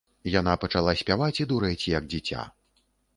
Яна пачала спяваць і дурэць, як дзіця.